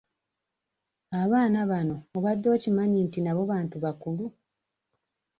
Abaana bano obadde okimanyi nti nabo bantu bakulu?